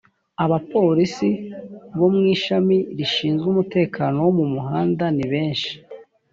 abapolisi bo mu ishami rishinzwe umutekano wo mu muhanda nibeshi.